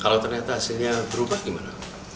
kalau ternyata hasilnya berubah gimana